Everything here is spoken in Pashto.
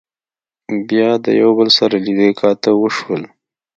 بيا د يو بل سره لیدۀ کاتۀ وشول